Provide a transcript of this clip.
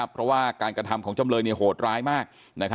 เพราะว่าการกระทำของจำเลยโหดร้ายมาก